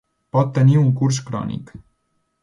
Pot tenir un curs crònic.